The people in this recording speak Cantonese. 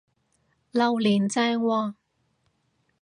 榴槤正喎！